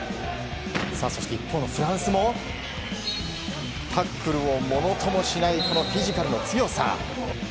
一方のフランスもタックルをものともしないフィジカルの強さ。